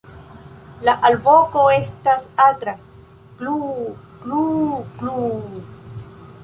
La alvoko estas akra "kluu-kluu-kluu".